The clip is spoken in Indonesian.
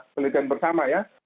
penelitian bersama ya